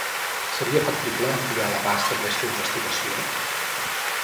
Seria factible ampliar l'abast d'aquesta investigació?